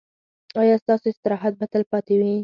ایا ستاسو استراحت به تلپاتې وي؟